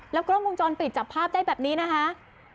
กล้องวงจรปิดจับภาพได้แบบนี้นะคะ